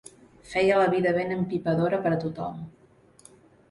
Feia la vida ben empipadora per a tothom.